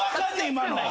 今の。